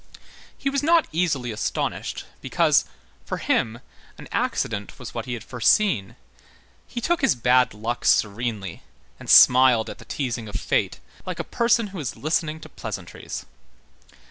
He was not easily astonished, because, for him, an accident was what he had foreseen, he took his bad luck serenely, and smiled at the teasing of fate, like a person who is listening to pleasantries.